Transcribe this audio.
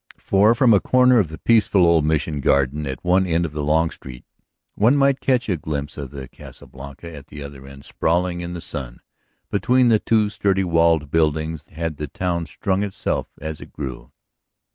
For from a corner of the peaceful old Mission garden at one end of the long street one might catch a glimpse of the Casa Blanca at the other end sprawling in the sun; between the two sturdy walled buildings had the town strung itself as it grew.